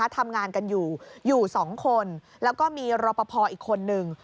ทำงานกันอยู่อยู่๒คนแล้วก็มีรอปภอีกคนนึง